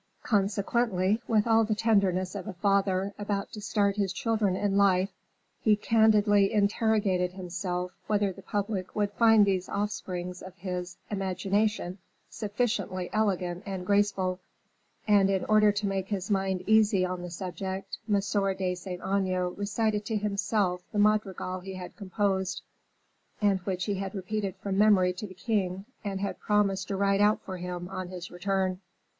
Consequently, with all the tenderness of a father about to start his children in life, he candidly interrogated himself whether the public would find these offsprings of his imagination sufficiently elegant and graceful; and in order to make his mind easy on the subject, M. de Saint Aignan recited to himself the madrigal he had composed, and which he had repeated from memory to the king, and had promised to write out for him on his return.